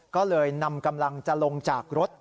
ก็เลยนำกำลังจะลงจากรถ